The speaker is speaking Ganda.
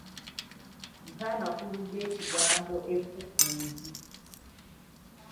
Mpa amakaulu g'ekigambo ekkukuuzi?